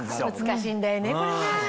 難しいんだよねこれが。